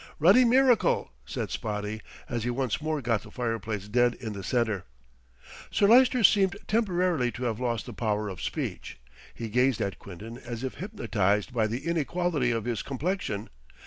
"Ruddy miracle," said Spotty, as he once more got the fireplace dead in the centre. Sir Lyster seemed temporarily to have lost the power of speech. He gazed at Quinton as if hypnotised by the inequality of his complexion.